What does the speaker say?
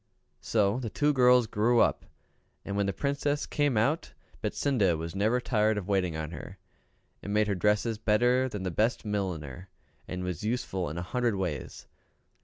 So the two girls grew up, and when the Princess came out, Betsinda was never tired of waiting on her, and made her dresses better than the best milliner, and was useful in a hundred ways.